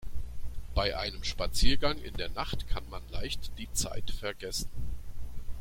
Bei einem Spaziergang in der Nacht kann man leicht die Zeit vergessen.